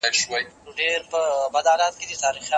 د نظام پیچلتیا د پوهیدو لپاره تجزیه ته اړتیا لري.